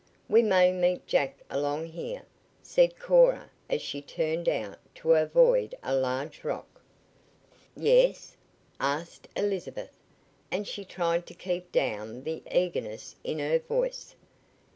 "We may meet Jack along here," said Cora as she turned out to avoid a large rock. "Yes?" asked Elizabeth, and she tried to keep down the eagerness in her voice.